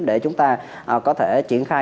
để chúng ta có thể triển khai